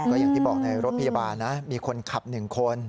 ก็อย่างที่บอกในรถพยาบาลนะมีคนขับ๑คน